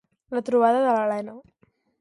La trobada de l'Elena.